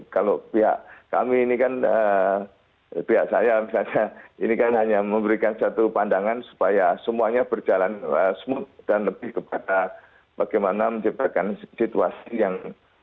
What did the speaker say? kalau pihak kami ini kan pihak saya misalnya ini kan hanya memberikan satu pandangan supaya semuanya berjalan smooth dan lebih kepada bagaimana menciptakan situasi yang